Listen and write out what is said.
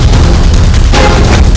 empat ratus juta rupiah